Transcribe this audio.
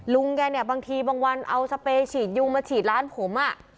ลุงแกเนี่ยบางทีบางวันเอาสเปรยฉีดยุงมาฉีดร้านผม